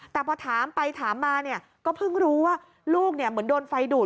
แต่พอถามไปถามมาก็เพิ่งรู้ว่าลูกเหมือนโดนไฟดูด